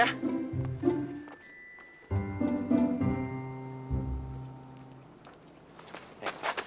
yaudah gua dulu deh